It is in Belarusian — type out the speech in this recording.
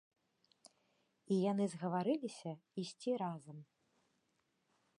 І яны згаварыліся ісці разам.